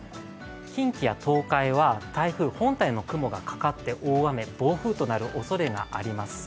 近畿と東海は台風本体の雲がかかって大雨、暴風となるおそれがあります。